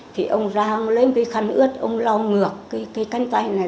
thì ông ra ông lấy một cái khăn ướt ông lo ngược cái cánh tay này